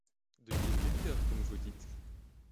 De gaîté de cœur, comme vous dites.